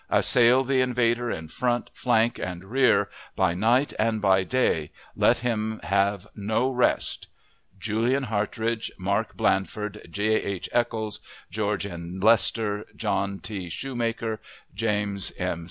Assail the invader in front, flank, and rear, by night and by day. Let him have no rest. JULIAN HARTRIDGE MARK BLANDFORD, J. H. ECHOLS GEO. N. LESTER JOHN T. SHUEMAKER JAS. M.